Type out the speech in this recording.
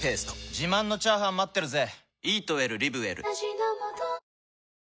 自慢のチャーハン待ってるぜ！